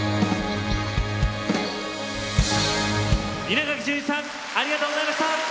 稲垣潤一さんありがとうございました。